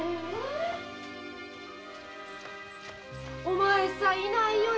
お前さんいないよ